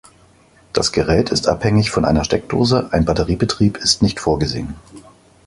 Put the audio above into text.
Das Gerät ist abhängig von einer Steckdose, ein Batteriebetrieb ist nicht vorgesehen.